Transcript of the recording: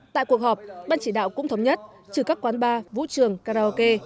tại cuộc họp ban chỉ đạo cũng thống nhất trừ các quán bar vũ trường karaoke